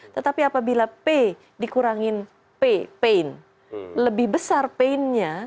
tetapi apabila p dikurangin pain lebih besar painnya